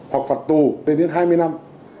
hoặc phạt tù đến hai mươi năm